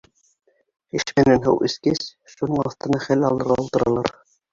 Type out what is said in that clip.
Шишмәнән һыу эскәс, шуның аҫтына хәл алырға ултыралар.